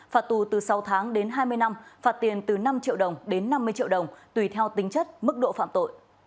phạt tù từ sáu tháng đến hai mươi năm phạt tiền từ năm triệu đồng đến năm mươi triệu đồng tùy theo tính chất mức độ phạm tội